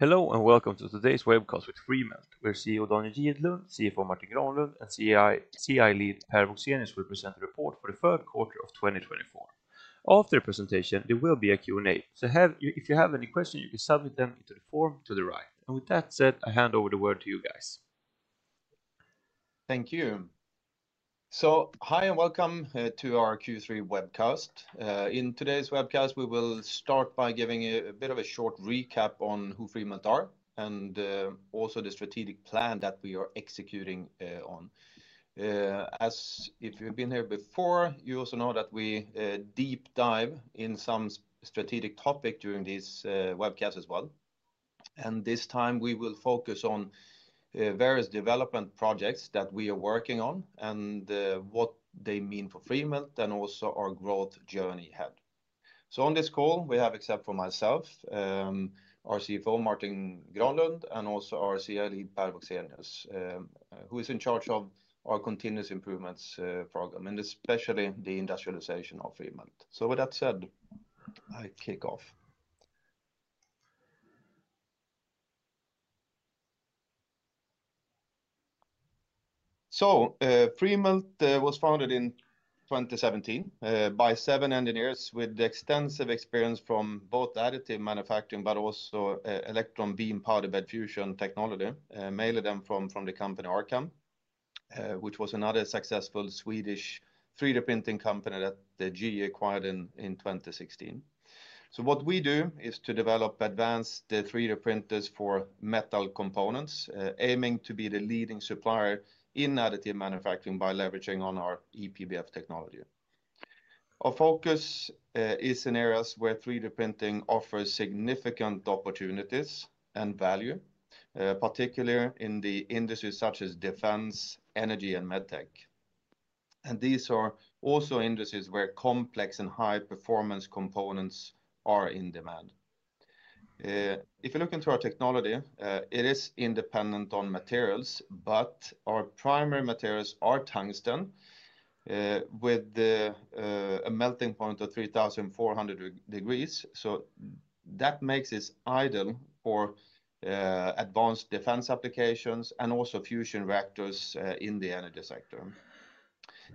Hello and welcome to today's webcast with Freemelt. We're CEO Daniel Gidlund, CFO Martin Granlund, and CI Lead Per Woxenius will present a report for the third quarter of 2024. After the presentation, there will be a Q&A, so if you have any questions, you can submit them into the form to the right. And with that said, I hand over the word to you guys. Thank you. So, hi, and welcome to our Q3 webcast. In today's webcast, we will start by giving you a bit of a short recap on who Freemelt are and also the strategic plan that we are executing on. As if you've been here before, you also know that we deep dive in some strategic topics during this webcast as well. And this time, we will focus on various development projects that we are working on and what they mean for Freemelt and also our growth journey ahead. So on this call, we have, except for myself, our CFO Martin Granlund and also our CI lead Per Vuksianis, who is in charge of our continuous improvements program and especially the industrialization of Freemelt. So with that said, I kick off. Freemelt was founded in 2017 by seven engineers with extensive experience from both additive manufacturing but also electron beam powder bed fusion technology, mainly from the company Arcam, which was another successful Swedish 3D printing company that GE acquired in 2016. What we do is to develop advanced 3D printers for metal components, aiming to be the leading supplier in additive manufacturing by leveraging our EPBF technology. Our focus is in areas where 3D printing offers significant opportunities and value, particularly in the industries such as defense, energy, and medtech. These are also industries where complex and high-performance components are in demand. If you look into our technology, it is independent of materials, but our primary materials are tungsten with a melting point of 3,400 degrees. That makes it ideal for advanced defense applications and also fusion reactors in the energy sector.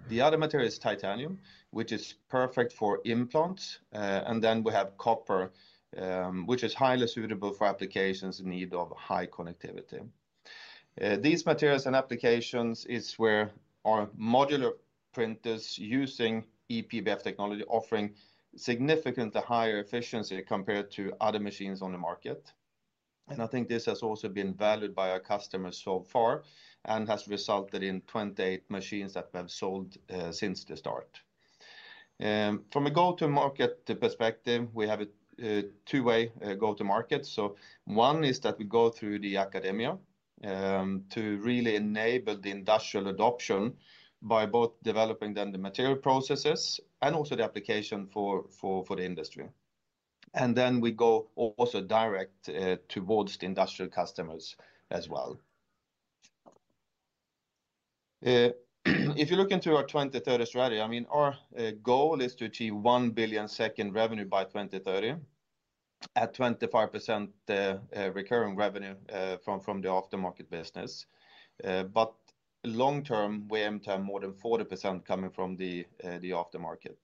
The other material is titanium, which is perfect for implants, and then we have copper, which is highly suitable for applications in need of high connectivity. These materials and applications are where our modular printers using E-PBF technology offer significantly higher efficiency compared to other machines on the market, and I think this has also been valued by our customers so far and has resulted in 28 machines that we have sold since the start. From a go-to-market perspective, we have a two-way go-to-market, so one is that we go through the academia to really enable the industrial adoption by both developing the material processes and also the application for the industry, and then we go also direct towards the industrial customers as well. If you look into our 2030 strategy, I mean, our goal is to achieve 1 billion SEK revenue by 2030 at 25% recurring revenue from the aftermarket business, but long term, we aim to have more than 40% coming from the aftermarket.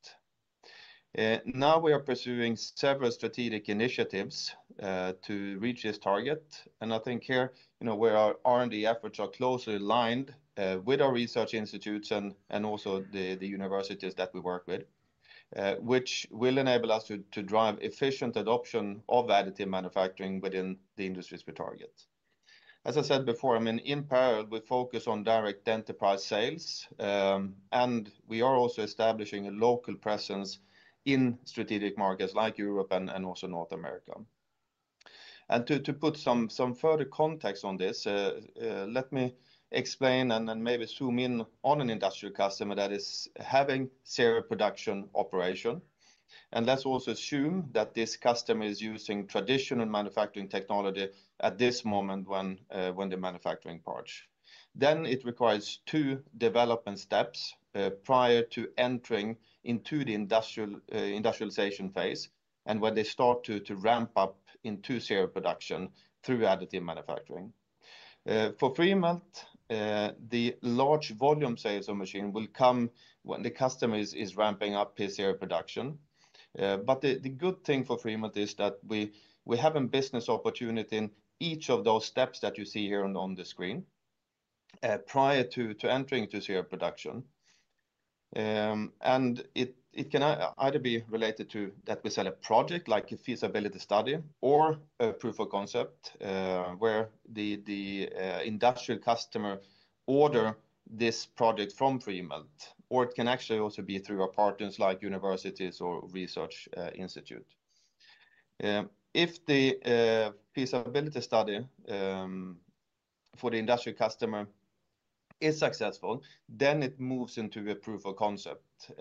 Now we are pursuing several strategic initiatives to reach this target, and I think here where our R&D efforts are closely aligned with our research institutes and also the universities that we work with, which will enable us to drive efficient adoption of additive manufacturing within the industries we target. As I said before, I mean, in parallel, we focus on direct enterprise sales, and we are also establishing a local presence in strategic markets like Europe and also North America, and to put some further context on this, let me explain and maybe zoom in on an industrial customer that is having serial production operation. Let's also assume that this customer is using traditional manufacturing technology at this moment when they're manufacturing parts. Then it requires two development steps prior to entering into the industrialization phase and where they start to ramp up into serial production through additive manufacturing. For Freemelt, the large volume sales of machine will come when the customer is ramping up his serial production. The good thing for Freemelt is that we have a business opportunity in each of those steps that you see here on the screen prior to entering into serial production. It can either be related to that we sell a project like a feasibility study or a proof of concept where the industrial customer orders this project from Freemelt, or it can actually also be through our partners like universities or research institutes. If the feasibility study for the industrial customer is successful, then it moves into a proof of concept.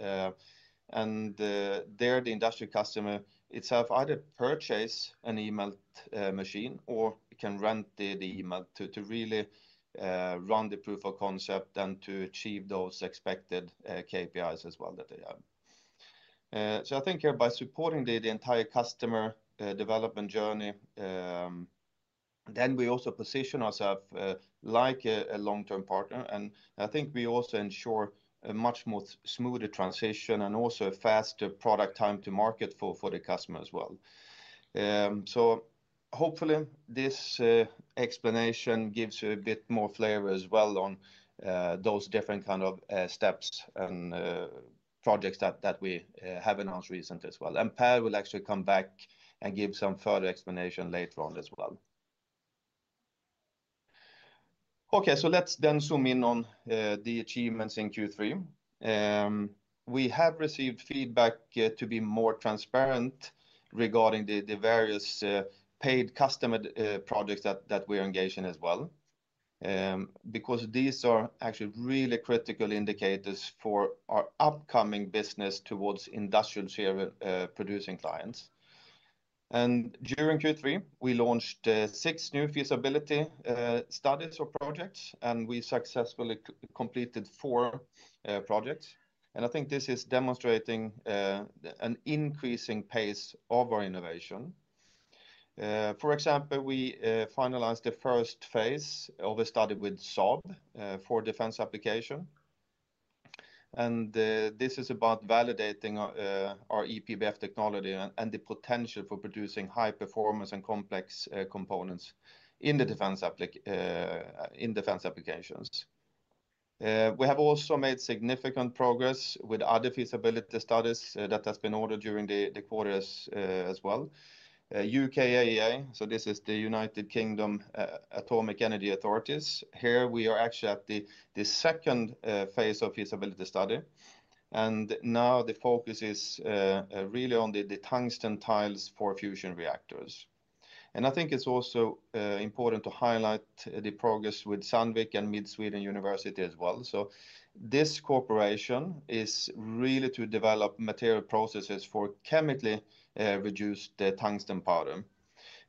And there the industrial customer itself either purchases an eMELT machine or can rent the eMELT to really run the proof of concept and to achieve those expected KPIs as well that they have. So I think here by supporting the entire customer development journey, then we also position ourselves like a long-term partner. And I think we also ensure a much more smoother transition and also a faster product time to market for the customer as well. So hopefully this explanation gives you a bit more flavor as well on those different kinds of steps and projects that we have announced recently as well. And Per will actually come back and give some further explanation later on as well. Okay, so let's then zoom in on the achievements in Q3. We have received feedback to be more transparent regarding the various paid customer projects that we are engaged in as well, because these are actually really critical indicators for our upcoming business towards industrial producing clients. During Q3, we launched six new feasibility studies or projects, and we successfully completed four projects. I think this is demonstrating an increasing pace of our innovation. For example, we finalized the first phase of a study with Saab for defense application. This is about validating our E-PBF technology and the potential for producing high-performance and complex components in defense applications. We have also made significant progress with other feasibility studies that have been ordered during the quarters as well. UKAEA, so this is the United Kingdom Atomic Energy Authority. Here we are actually at the second phase of feasibility study. Now the focus is really on the tungsten tiles for fusion reactors. I think it's also important to highlight the progress with Sandvik and Mid Sweden University as well. This collaboration is really to develop material processes for chemically reduced tungsten powder.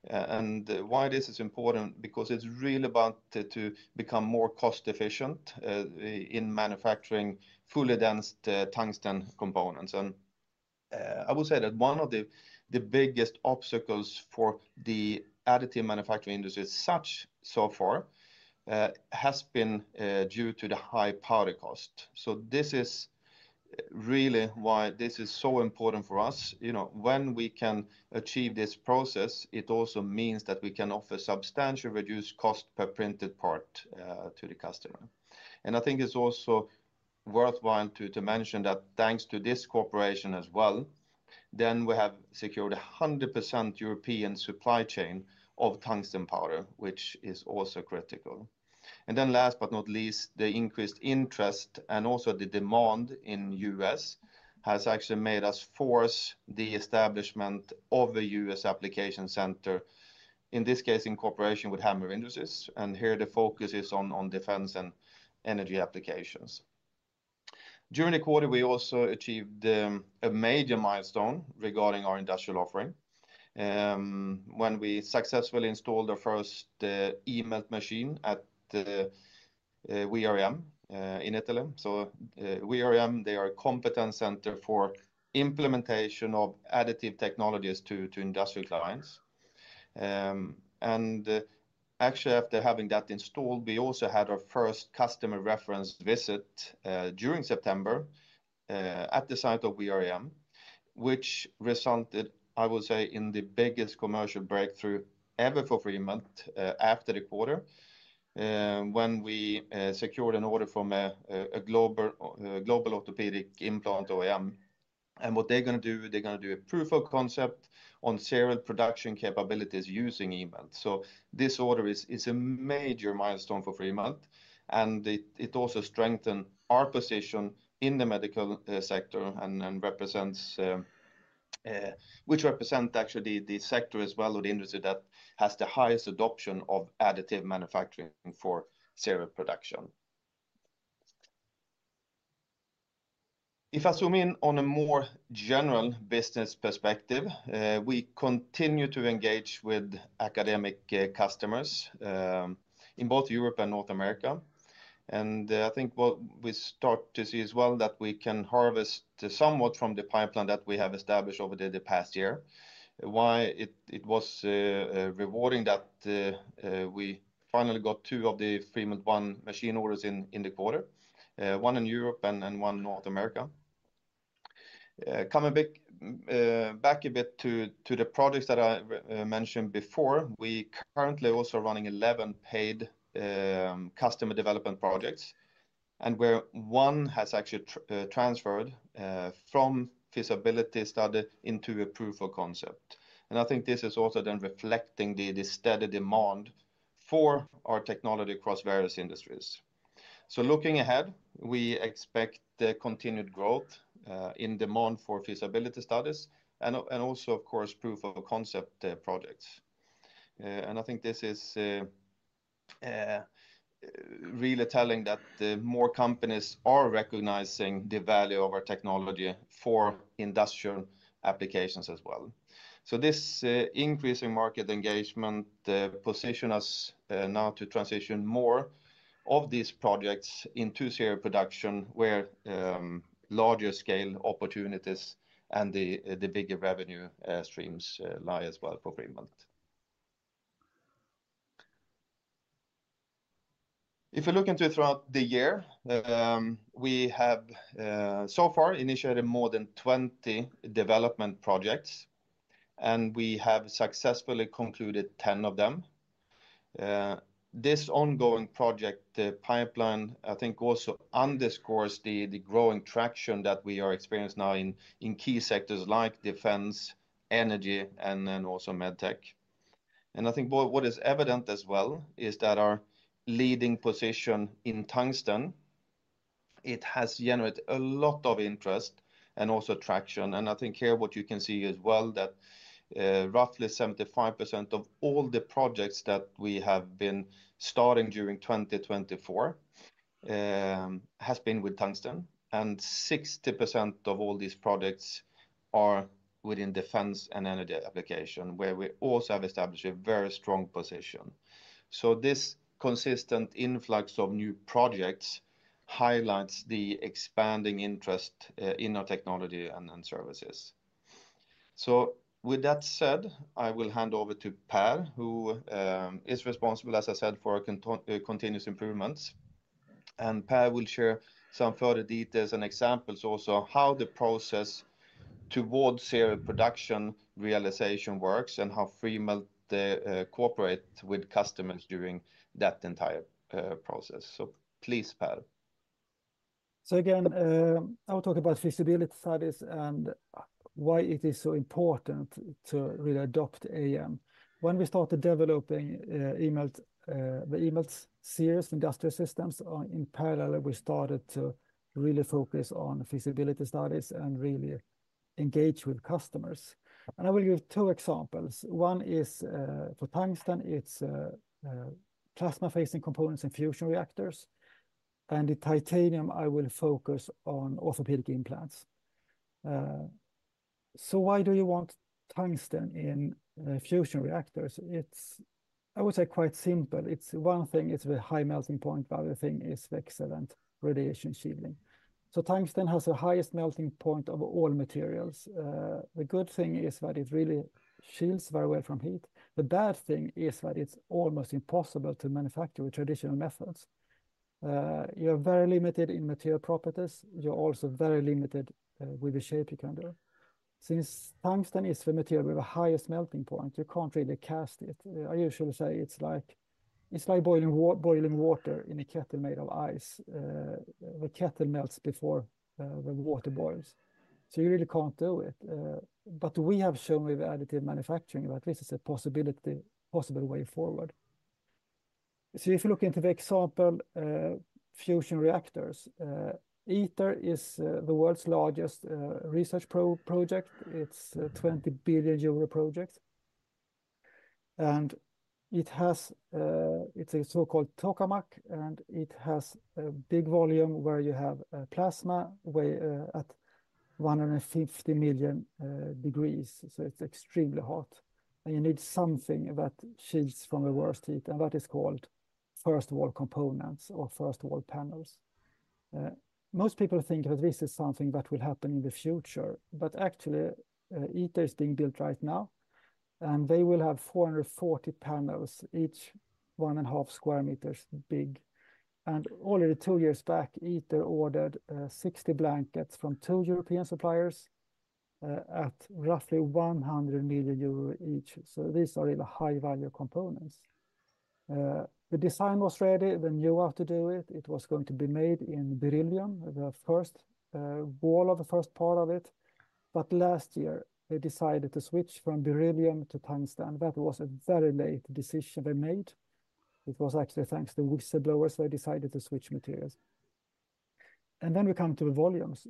Why this is important? Because it's really about to become more cost-efficient in manufacturing fully dense tungsten components. I would say that one of the biggest obstacles for the additive manufacturing industry so far has been due to the high powder cost. This is really why this is so important for us. When we can achieve this process, it also means that we can offer substantially reduced cost per printed part to the customer. And I think it's also worthwhile to mention that thanks to this collaboration as well, then we have secured a 100% European supply chain of tungsten powder, which is also critical. And then last but not least, the increased interest and also the demand in the U.S. has actually made us force the establishment of a U.S. application center, in this case in cooperation with Hamr Industries. And here the focus is on defense and energy applications. During the quarter, we also achieved a major milestone regarding our industrial offering when we successfully installed our first eMELT machine at VRM in Italy. So VRM, they are a competence center for implementation of additive technologies to industrial clients. Actually, after having that installed, we also had our first customer reference visit during September at the site of VRM, which resulted, I would say, in the biggest commercial breakthrough ever for Freemelt after the quarter when we secured an order from a global orthopedic implant OEM. What they're going to do, they're going to do a proof of concept on serial production capabilities using eMELT. This order is a major milestone for Freemelt, and it also strengthens our position in the medical sector, which represents actually the sector as well or the industry that has the highest adoption of additive manufacturing for serial production. If I zoom in on a more general business perspective, we continue to engage with academic customers in both Europe and North America. And I think what we start to see as well that we can harvest somewhat from the pipeline that we have established over the past year, why it was rewarding that we finally got two of the Freemelt ONE machine orders in the quarter, one in Europe and one in North America. Coming back a bit to the projects that I mentioned before, we currently also are running 11 paid customer development projects, and where one has actually transferred from feasibility study into a proof of concept. And I think this is also then reflecting the steady demand for our technology across various industries. So looking ahead, we expect continued growth in demand for feasibility studies and also, of course, proof of concept projects. And I think this is really telling that more companies are recognizing the value of our technology for industrial applications as well. This increasing market engagement positions us now to transition more of these projects into serial production where larger scale opportunities and the bigger revenue streams lie as well for Freemelt. If you look into throughout the year, we have so far initiated more than 20 development projects, and we have successfully concluded 10 of them. This ongoing project pipeline, I think, also underscores the growing traction that we are experiencing now in key sectors like defense, energy, and also medtech. I think what is evident as well is that our leading position in tungsten, it has generated a lot of interest and also traction. I think here what you can see as well that roughly 75% of all the projects that we have been starting during 2024 has been with tungsten, and 60% of all these projects are within defense and energy application where we also have established a very strong position. So this consistent influx of new projects highlights the expanding interest in our technology and services. So with that said, I will hand over to Per, who is responsible, as I said, for continuous improvements. And Per will share some further details and examples also on how the process towards serial production realization works and how Freemelt cooperates with customers during that entire process. So please, Per. So again, I will talk about feasibility studies and why it is so important to really adopt AM. When we started developing the eMELT series industrial systems, in parallel, we started to really focus on feasibility studies and really engage with customers. And I will give two examples. One is for tungsten, it's plasma-facing components in fusion reactors. And the titanium, I will focus on orthopedic implants. So why do you want tungsten in fusion reactors? It's, I would say, quite simple. It's one thing, it's a high melting point value thing, it's excellent radiation shielding. So tungsten has the highest melting point of all materials. The good thing is that it really shields very well from heat. The bad thing is that it's almost impossible to manufacture with traditional methods. You're very limited in material properties. You're also very limited with the shape you can do. Since tungsten is the material with the highest melting point, you can't really cast it. I usually say it's like boiling water in a kettle made of ice. The kettle melts before the water boils, so you really can't do it, but we have shown with additive manufacturing that this is a possible way forward, so if you look into the example fusion reactors, ITER is the world's largest research project. It's a 20 billion euro project, and it's a so-called tokamak, and it has a big volume where you have plasma at 150 million degrees, so it's extremely hot, and you need something that shields from the worst heat, and that is called first-wall components or first-wall panels. Most people think that this is something that will happen in the future, but actually ITER is being built right now, and they will have 440 panels, each 1.5 sq meters big. Already two years back, ITER ordered 60 blankets from two European suppliers at roughly 100 million euro each. So these are really high-value components. The design was ready. They knew how to do it. It was going to be made in beryllium, the first wall of the first part of it. But last year, they decided to switch from beryllium to tungsten. That was a very late decision they made. It was actually thanks to whistleblowers they decided to switch materials. And then we come to the volumes.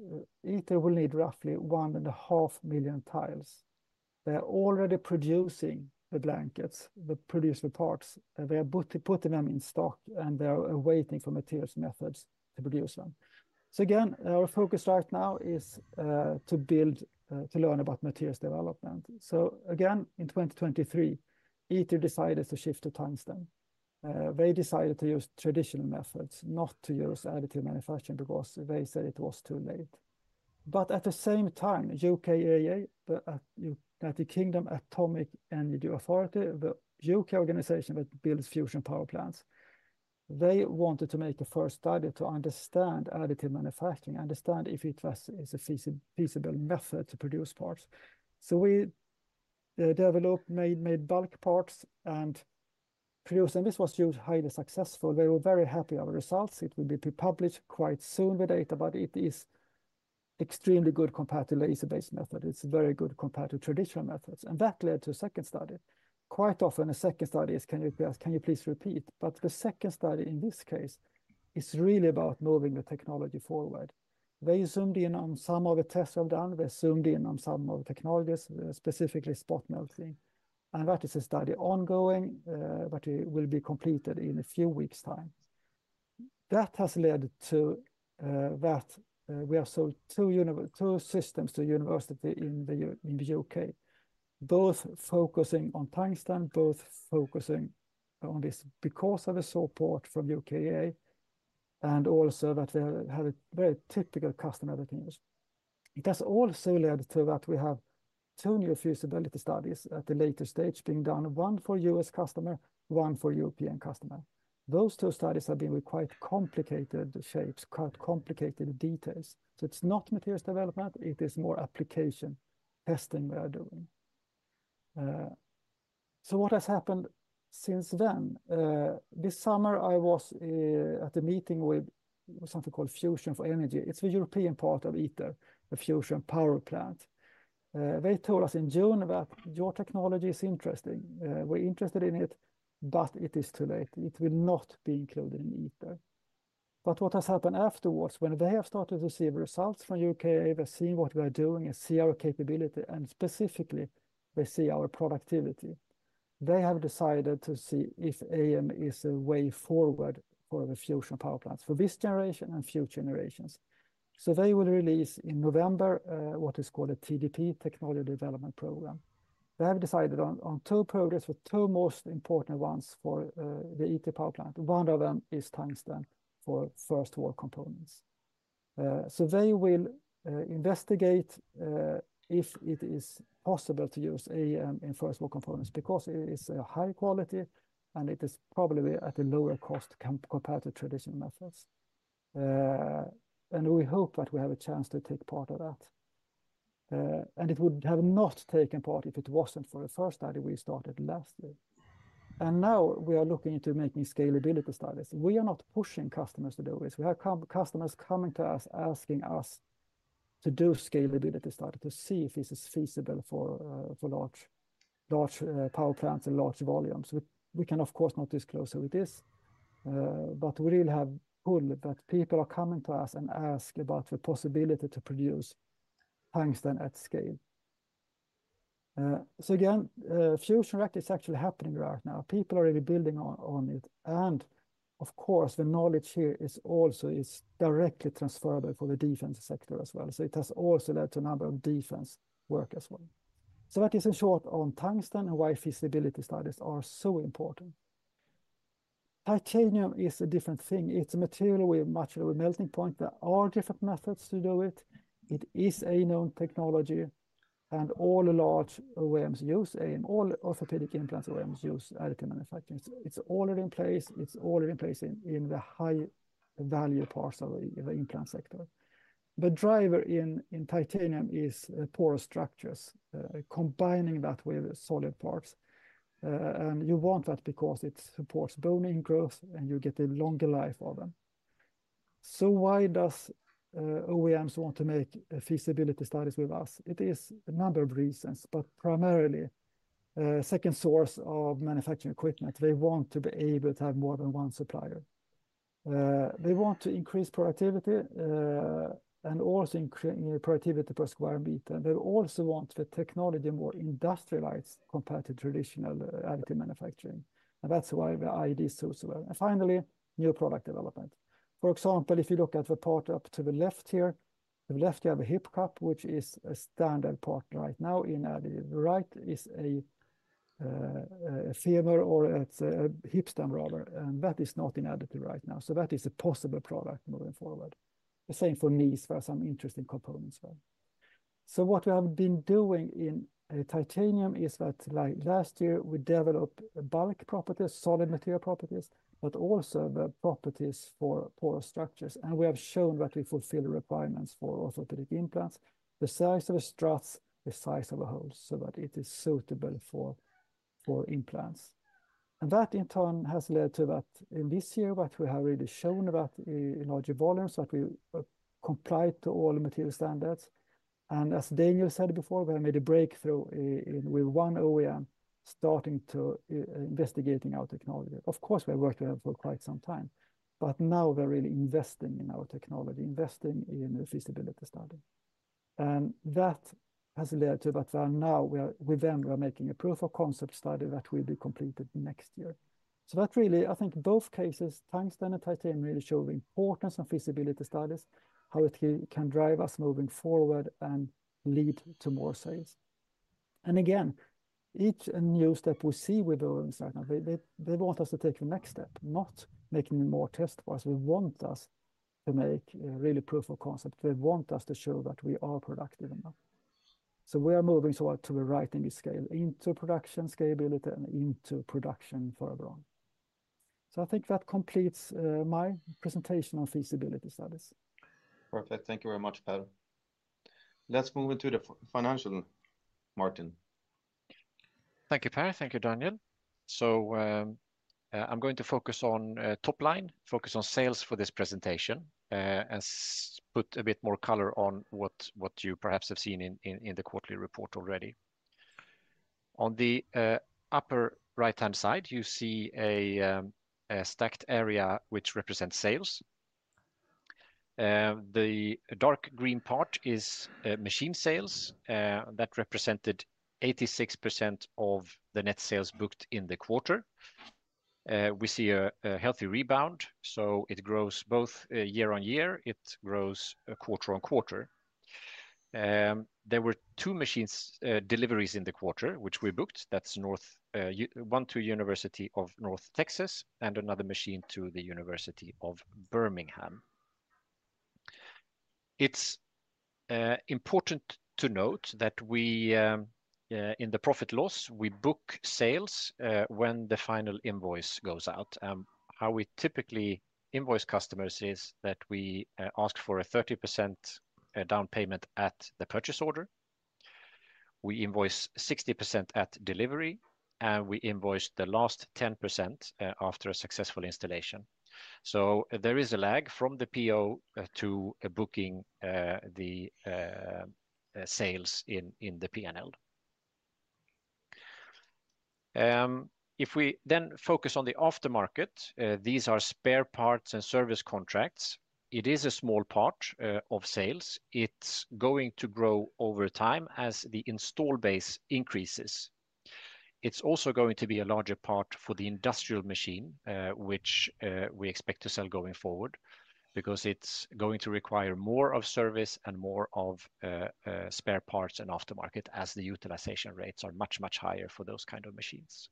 ITER will need roughly 1.5 million tiles. They're already producing the blankets, the producer parts. They are putting them in stock, and they are waiting for materials methods to produce them. So again, our focus right now is to learn about materials development. So again, in 2023, ITER decided to shift to tungsten. They decided to use traditional methods, not to use additive manufacturing because they said it was too late. But at the same time, UKAEA, the United Kingdom Atomic Energy Authority, the U.K. organization that builds fusion power plants, they wanted to make a first study to understand additive manufacturing, understand if it is a feasible method to produce parts. So we developed, made bulk parts and produced, and this was highly successful. They were very happy with the results. It will be published quite soon with data, but it is extremely good compared to laser-based methods. It's very good compared to traditional methods. And that led to a second study. Quite often, a second study is, can you please repeat? But the second study in this case is really about moving the technology forward. They zoomed in on some of the tests we've done. They zoomed in on some of the technologies, specifically spot melting, and that is a study ongoing that will be completed in a few weeks' time. That has led to that we have sold two systems to universities in the U.K., both focusing on tungsten, both focusing on this because of the support from UKAEA and also that we have a very typical customer that uses. That's also led to that we have two new feasibility studies at the later stage being done, one for U.S. customers, one for European customers. Those two studies have been with quite complicated shapes, quite complicated details, so it's not materials development. It is more application testing we are doing, so what has happened since then? This summer, I was at a meeting with something called Fusion for Energy. It's the European part of ITER, the fusion power plant. They told us in June that your technology is interesting. We're interested in it, but it is too late. It will not be included in ITER, but what has happened afterwards? When they have started to see the results from UKAEA, they've seen what we are doing and see our capability, and specifically, they see our productivity. They have decided to see if AM is a way forward for the fusion power plants for this generation and future generations, so they will release in November what is called a TDP, Technology Development Program. They have decided on two projects for two most important ones for the ITER power plant. One of them is tungsten for first-wall components, so they will investigate if it is possible to use AM in first-wall components because it is a high quality and it is probably at a lower cost compared to traditional methods. And we hope that we have a chance to take part of that. And it would have not taken part if it wasn't for the first study we started last year. And now we are looking into making scalability studies. We are not pushing customers to do this. We have customers coming to us asking us to do scalability studies to see if this is feasible for large power plants and large volumes. We can, of course, not disclose who it is, but we really have proven that people are coming to us and ask about the possibility to produce tungsten at scale. So again, fusion reactors are actually happening right now. People are really building on it. And of course, the knowledge here is also directly transferable for the defense sector as well. So it has also led to a number of defense work as well. So that is in short on tungsten and why feasibility studies are so important. Titanium is a different thing. It's a material with a much lower melting point. There are different methods to do it. It is a known technology. And all the large OEMs use AM. All orthopedic implant OEMs use additive manufacturing. It's already in place. It's already in place in the high-value parts of the implant sector. The driver in titanium is porous structures, combining that with solid parts. And you want that because it supports bony growth and you get a longer life of them. So why do OEMs want to make feasibility studies with us? It is a number of reasons, but primarily second source of manufacturing equipment. They want to be able to have more than one supplier. They want to increase productivity and also increase productivity per square meter. They also want the technology more industrialized compared to traditional additive manufacturing, and that's why the E-PBF is so well. And finally, new product development. For example, if you look at the part up to the left here, to the left, you have a hip cup, which is a standard part right now in additive. Right is a femur or a hip stem rather, and that is not in additive right now, so that is a possible product moving forward. The same for knees for some interesting components as well, so what we have been doing in titanium is that last year we developed bulk properties, solid material properties, but also the properties for porous structures. And we have shown that we fulfill the requirements for orthopedic implants, the size of the struts, the size of the holes so that it is suitable for implants. And that in turn has led to that in this year that we have really shown that in larger volumes that we comply to all material standards. And as Daniel said before, we have made a breakthrough with one OEM starting to investigate our technology. Of course, we have worked with them for quite some time, but now we're really investing in our technology, investing in the feasibility study. And that has led to that now we are making a proof of concept study that will be completed next year. So that really, I think both cases, tungsten and titanium really show the importance of feasibility studies, how it can drive us moving forward and lead to more sales. And again, each new step we see with OEMs right now, they want us to take the next step, not making more tests for us. They want us to make really proof of concept. They want us to show that we are productive enough. So we are moving towards the right scale, into production scalability and into production for everyone. So I think that completes my presentation on feasibility studies. Perfect. Thank you very much, Per. Let's move into the financial Martin. Thank you, Per. Thank you, Daniel. So I'm going to focus on top line, focus on sales for this presentation and put a bit more color on what you perhaps have seen in the quarterly report already. On the upper right-hand side, you see a stacked area which represents sales. The dark green part is machine sales. That represented 86% of the net sales booked in the quarter. We see a healthy rebound, so it grows both year on year. It grows quarter on quarter. There were two machine deliveries in the quarter which we booked. That's one to the University of North Texas and another machine to the University of Birmingham. It's important to note that in the profit and loss, we book sales when the final invoice goes out. How we typically invoice customers is that we ask for a 30% down payment at the purchase order. We invoice 60% at delivery, and we invoice the last 10% after a successful installation. So there is a lag from the PO to booking the sales in the P&L. If we then focus on the aftermarket, these are spare parts and service contracts. It is a small part of sales. It's going to grow over time as the install base increases. It's also going to be a larger part for the industrial machine, which we expect to sell going forward because it's going to require more of service and more of spare parts and aftermarket as the utilization rates are much, much higher for those kinds of machines.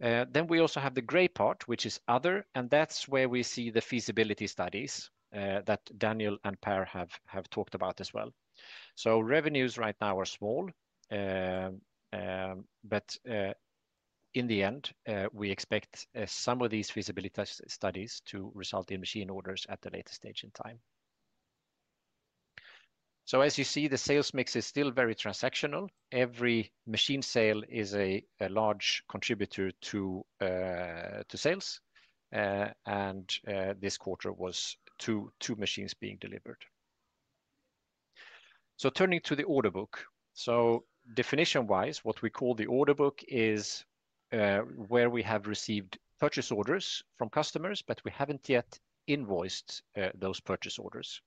Then we also have the gray part, which is other, and that's where we see the feasibility studies that Daniel and Per have talked about as well. So revenues right now are small, but in the end, we expect some of these feasibility studies to result in machine orders at the latest stage in time. So as you see, the sales mix is still very transactional. Every machine sale is a large contributor to sales. And this quarter was two machines being delivered. So turning to the order book. So definition-wise, what we call the order book is where we have received purchase orders from customers, but we haven't yet invoiced those purchase orders.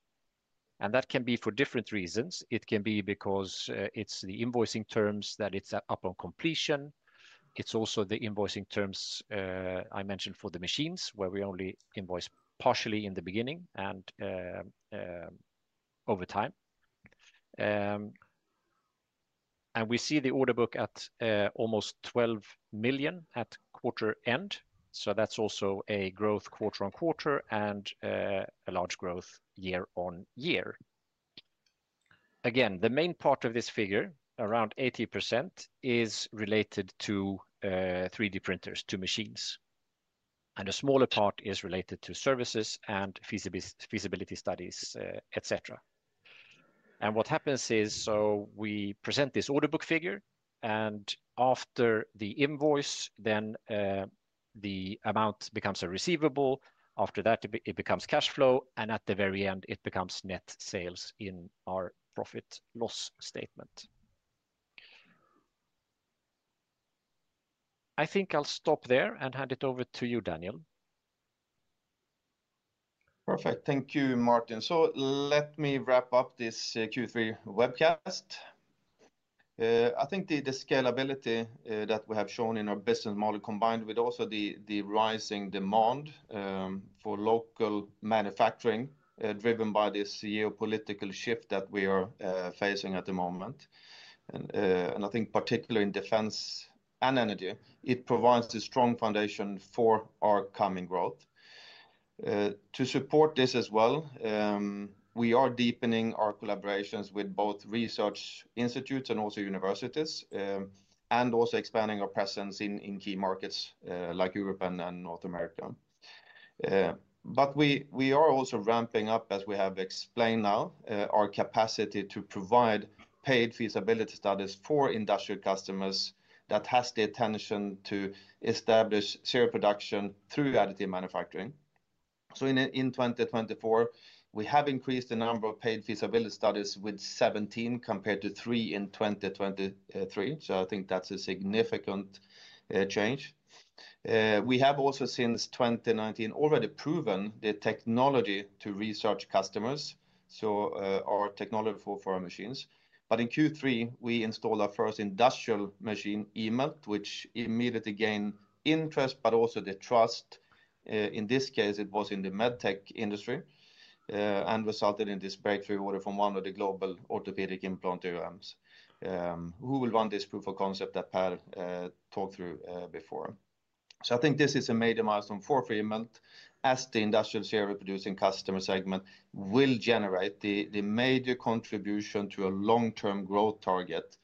And that can be for different reasons. It can be because it's the invoicing terms that it's up on completion. It's also the invoicing terms I mentioned for the machines where we only invoice partially in the beginning and over time. And we see the order book at almost 12 million at quarter end. So that's also a growth quarter on quarter and a large growth year on year. Again, the main part of this figure, around 80%, is related to 3D printers, to machines. And a smaller part is related to services and feasibility studies, etc. And what happens is, so we present this order book figure, and after the invoice, then the amount becomes a receivable. After that, it becomes cash flow, and at the very end, it becomes net sales in our profit and loss statement. I think I'll stop there and hand it over to you, Daniel. Perfect. Thank you, Martin, so let me wrap up this Q3 webcast. I think the scalability that we have shown in our business model combined with also the rising demand for local manufacturing driven by this geopolitical shift that we are facing at the moment, and I think particularly in defense and energy, it provides a strong foundation for our coming growth. To support this as well, we are deepening our collaborations with both research institutes and also universities and also expanding our presence in key markets like Europe and North America. We are also ramping up, as we have explained now, our capacity to provide paid feasibility studies for industrial customers that have the intention to establish serial production through additive manufacturing. In 2024, we have increased the number of paid feasibility studies with 17 compared to three in 2023. I think that's a significant change. We have also since 2019 already proven the technology to research customers, so our technology for our machines. In Q3, we installed our first industrial machine, eMELT, which immediately gained interest, but also the trust. In this case, it was in the medtech industry and resulted in this breakthrough order from one of the global orthopedic implant OEMs who will run this proof of concept that Per talked through before. So I think this is a major milestone for Freemelt as the industrial serial producing customer segment will generate the major contribution to a long-term growth target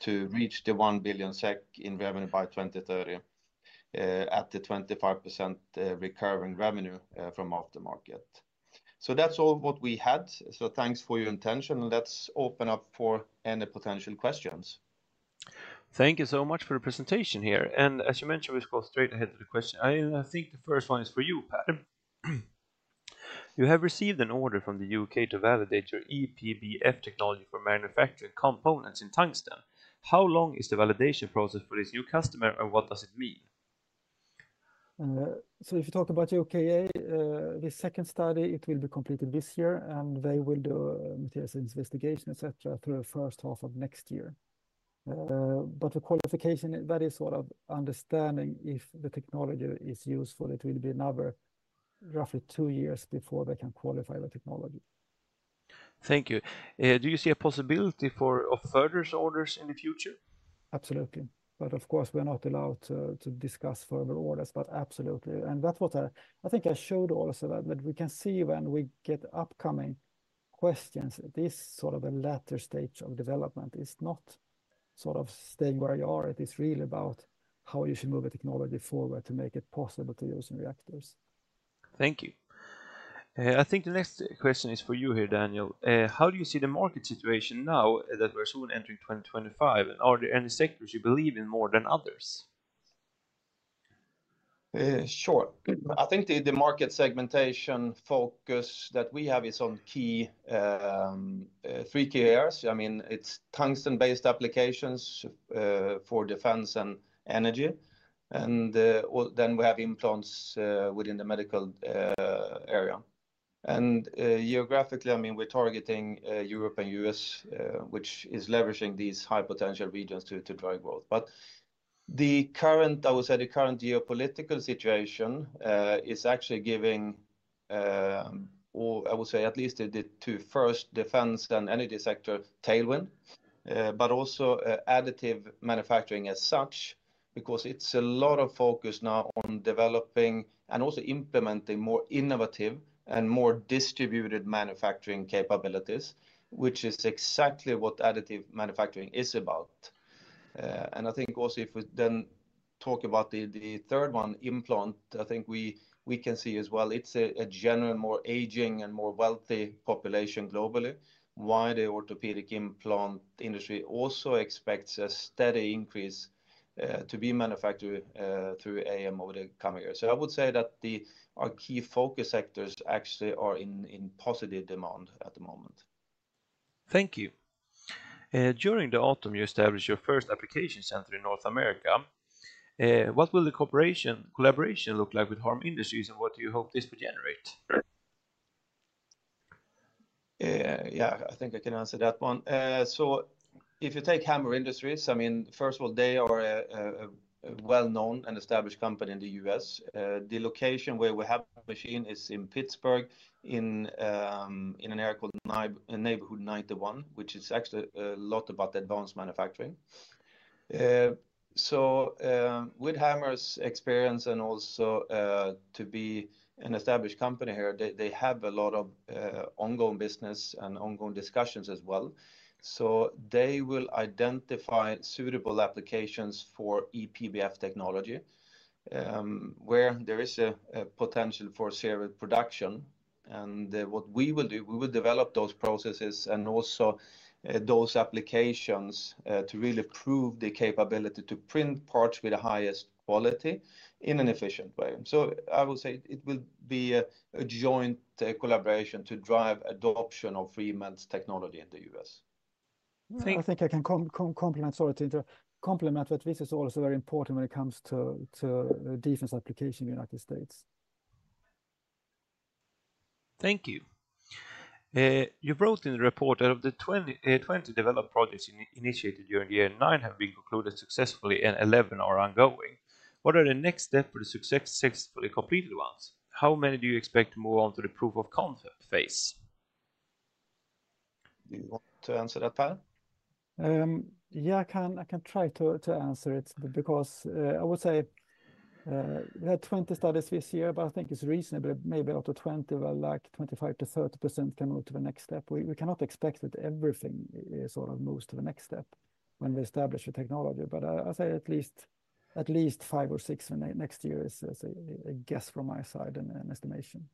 to reach the 1 billion SEK in revenue by 2030 at the 25% recurring revenue from aftermarket. So that's all what we had. So thanks for your attention. And let's open up for any potential questions. Thank you so much for the presentation here. And as you mentioned, we go straight ahead to the question. I think the first one is for you, Per. You have received an order from the U.K. to validate your E-PBF technology for manufacturing components in tungsten. How long is the validation process for this new customer and what does it mean? So if you talk about UKA, the second study, it will be completed this year, and they will do materials investigation, etc., through the first half of next year. But the qualification, that is sort of understanding if the technology is useful, it will be another roughly two years before they can qualify the technology. Thank you. Do you see a possibility for further orders in the future? Absolutely. But of course, we're not allowed to discuss further orders, but absolutely. And that's what I think I showed also that we can see when we get upcoming questions. This sort of a later stage of development is not sort of staying where you are. It is really about how you should move the technology forward to make it possible to use in reactors. Thank you. I think the next question is for you here, Daniel. How do you see the market situation now that we're soon entering 2025? And are there any sectors you believe in more than others? Sure. I think the market segmentation focus that we have is on three key areas. I mean, it's tungsten-based applications for defense and energy. And then we have implants within the medical area. And geographically, I mean, we're targeting Europe and the U.S., which is leveraging these high potential regions to drive growth. But the current, I would say, geopolitical situation is actually giving, I would say, at least the two first, defense and energy sector, tailwind, but also additive manufacturing as such, because it's a lot of focus now on developing and also implementing more innovative and more distributed manufacturing capabilities, which is exactly what additive manufacturing is about. I think also if we then talk about the third one, implant, I think we can see as well it's a generally more aging and more wealthy population globally, why the orthopedic implant industry also expects a steady increase to be manufactured through AM over the coming years. I would say that our key focus sectors actually are in positive demand at the moment. Thank you. During the autumn, you established your first application center in North America. What will the collaboration look like with Hamr Industries and what do you hope this would generate? Yeah, I think I can answer that one. If you take Hamr Industries, I mean, first of all, they are a well-known and established company in the U.S. The location where we have the machine is in Pittsburgh in an area called Neighborhood 91, which is actually a lot about advanced manufacturing. With Hamr's experience and also to be an established company here, they have a lot of ongoing business and ongoing discussions as well. They will identify suitable applications for EPBF technology where there is a potential for serial production. What we will do, we will develop those processes and also those applications to really prove the capability to print parts with the highest quality in an efficient way. It will be a joint collaboration to drive adoption of Freemelt's technology in the US. I think I can complement, sorry to interrupt, complement what this is also very important when it comes to defense application in the United States. Thank you. You wrote in the report that of the 20 developed projects initiated during year nine have been concluded successfully and 11 are ongoing. What are the next steps for the successfully completed ones? How many do you expect to move on to the proof of concept phase? Do you want to answer that, Per? Yeah, I can try to answer it because I would say we had 20 studies this year, but I think it's reasonable. Maybe out of 20, like 25%-30% can move to the next step. We cannot expect that everything sort of moves to the next step when we establish the technology. But I'll say at least five or six next year is a guess from my side and an estimation.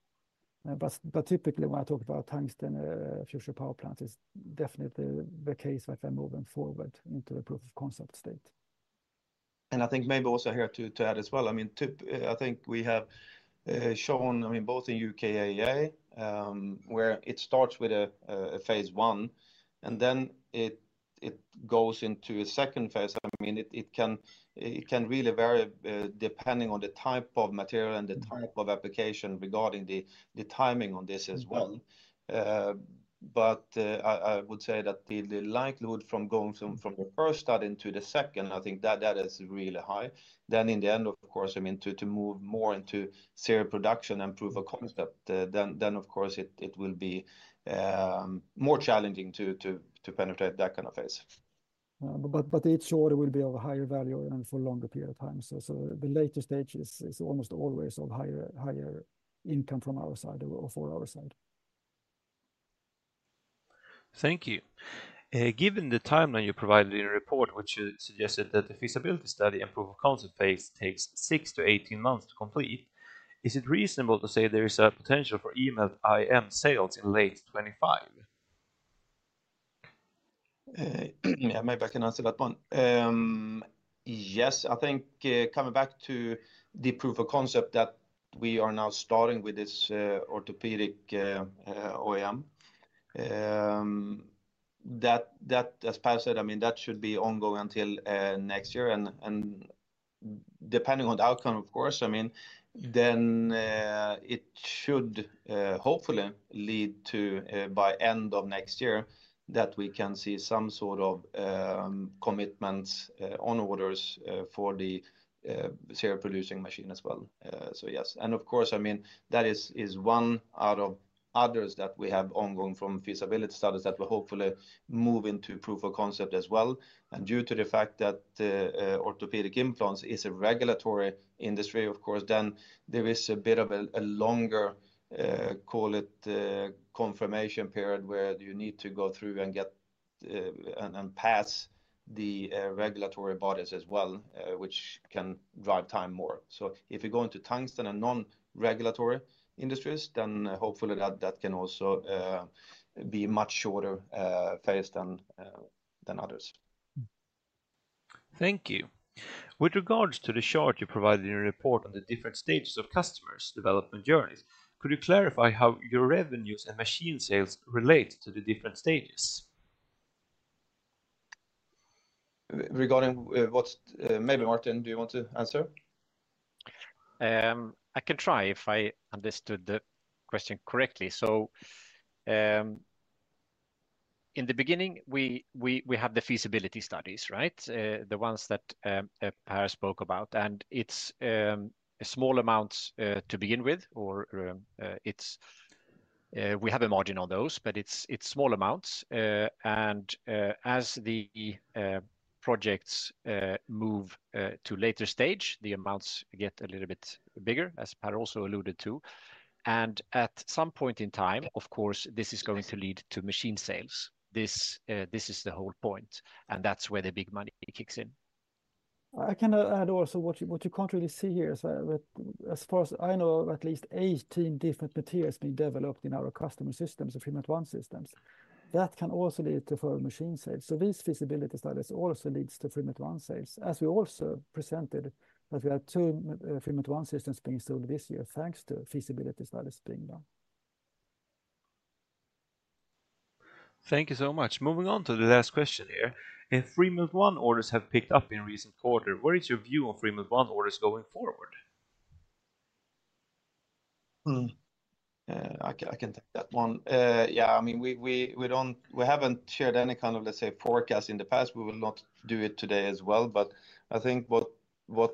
But typically when I talk about tungsten future power plants, it's definitely the case that they're moving forward into the proof of concept state. I think maybe also here to add as well, I mean, I think we have shown, I mean, both in UKAEA where it starts with a phase one and then it goes into a second phase. I mean, it can really vary depending on the type of material and the type of application regarding the timing on this as well. But I would say that the likelihood from going from the first study into the second, I think that is really high. Then in the end, of course, I mean, to move more into serial production and proof of concept, then of course it will be more challenging to penetrate that kind of phase. But each order will be of a higher value and for a longer period of time. So the later stage is almost always of higher income from our side or for our side. Thank you. Given the timeline you provided in the report, which suggested that the feasibility study and proof of concept phase takes 6-18 months to complete, is it reasonable to say there is a potential for eMELT sales in late 2025? Yeah, maybe I can answer that one. Yes, I think coming back to the proof of concept that we are now starting with this orthopedic OEM, that, as Per said, I mean, that should be ongoing until next year. And depending on the outcome, of course, I mean, then it should hopefully lead to, by end of next year, that we can see some sort of commitments on orders for the serial producing machine as well. So yes. And of course, I mean, that is one out of others that we have ongoing from feasibility studies that will hopefully move into proof of concept as well. Due to the fact that orthopedic implants is a regulatory industry, of course, then there is a bit of a longer, call it confirmation period where you need to go through and get and pass the regulatory bodies as well, which can drive time more. If you go into tungsten and non-regulatory industries, then hopefully that can also be a much shorter phase than others. Thank you. With regards to the chart you provided in the report on the different stages of customers' development journeys, could you clarify how your revenues and machine sales relate to the different stages? Regarding what maybe, Martin, do you want to answer? I can try if I understood the question correctly. In the beginning, we have the feasibility studies, right? The ones that Per spoke about. And it's small amounts to begin with, or we have a margin on those, but it's small amounts. And as the projects move to later stage, the amounts get a little bit bigger, as Per also alluded to. And at some point in time, of course, this is going to lead to machine sales. This is the whole point. And that's where the big money kicks in. I can add also what you can't really see here. As far as I know, at least 18 different materials being developed in our customer systems, the Freemelt ONE systems. That can also lead to further machine sales. So these feasibility studies also lead to Freemelt ONE sales, as we also presented that we had two Freemelt ONE systems being sold this year thanks to feasibility studies being done. Thank you so much. Moving on to the last question here. If Freemelt ONE orders have picked up in recent quarter, what is your view on Freemelt ONE orders going forward? I can take that one. Yeah, I mean, we haven't shared any kind of, let's say, forecast in the past. We will not do it today as well. But I think what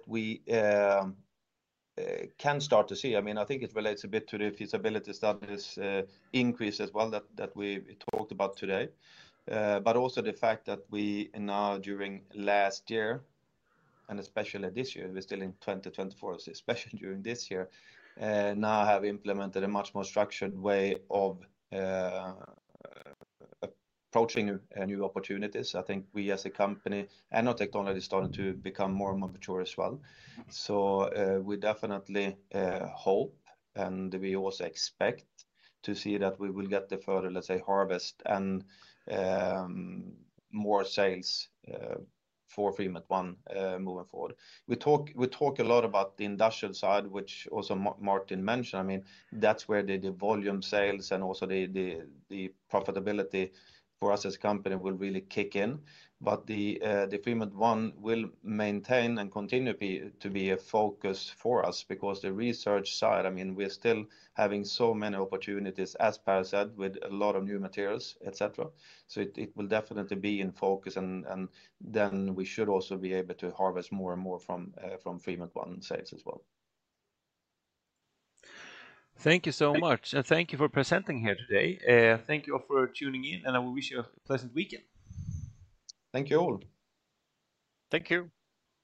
we can start to see, I mean, I think it relates a bit to the feasibility studies increase as well that we talked about today. But also the fact that we now, during last year, and especially this year, we're still in 2024, especially during this year, now have implemented a much more structured way of approaching new opportunities. I think we as a company and our technology started to become more mature as well. So we definitely hope and we also expect to see that we will get the further, let's say, harvest and more sales for Freemelt ONE moving forward. We talk a lot about the industrial side, which also Martin mentioned. I mean, that's where the volume sales and also the profitability for us as a company will really kick in. But the Freemelt ONE will maintain and continue to be a focus for us because the research side, I mean, we're still having so many opportunities, as Per said, with a lot of new materials, etc. So it will definitely be in focus. And then we should also be able to harvest more and more from Freemelt ONE sales as well. Thank you so much. And thank you for presenting here today. Thank you for tuning in. And I wish you a pleasant weekend. Thank you all. Thank you.